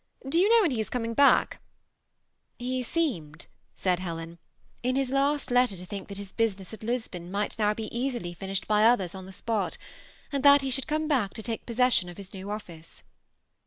Do you know when he is coming back ?"^ He seemed," said Helen, ^ in his last letter to think that his business at Lisbon might now easily be finished 284 THB 8KMI ATrA0H£D COUPLB. by others on the spot, and that he should oome back to take poflseosion of his new office."